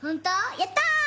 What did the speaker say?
やったー！